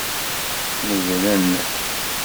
Medlen.